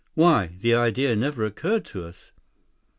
"Why, the idea never occurred to us."